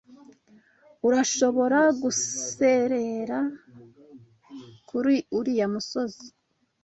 Urashobora guserera kuri uriya musozi.